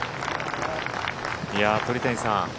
鳥谷さん